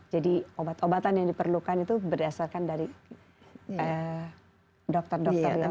jadi obat obatan yang diperlukan itu berdasarkan dari dokter dokter yang mereka